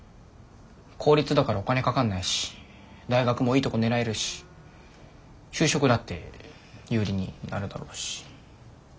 公立だからお金かかんないし大学もいいとこ狙えるし就職だって有利になるだろうし。